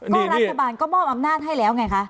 ก็รัฐบาลก็มอบอำนาจให้แล้วไงคะ